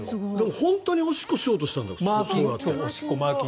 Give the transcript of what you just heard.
本当におしっこしようとしたんだ。